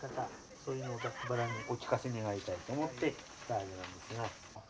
そういうのをざっくばらんにお聞かせ願いたいと思って来たわけなんですが。